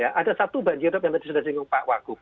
ada satu banjir yang tadi sudah singgung pak waguh